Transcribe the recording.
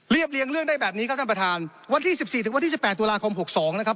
เรียบเลี้ยงเลือกได้แบบนี้ข้าข้างประธานวันที่๑๔ถึงวันที่๒๘ตุลาคม๑๙๖๒นะครับ